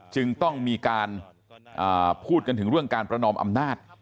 จึงต้องมีการพูดกันถึงเรื่องการประนอมอำนาจ